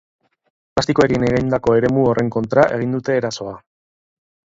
Plastikoekin egindako eremu horren kontra egin dute erasoa.